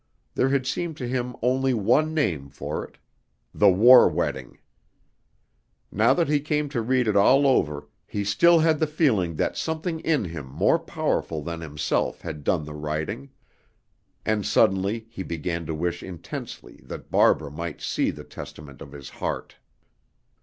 There had seemed to him only one name for it: "The War Wedding." Now that he came to read it all over, he still had the feeling that something in him more powerful than himself had done the writing; and suddenly he began to wish intensely that Barbara might see the testament of his heart.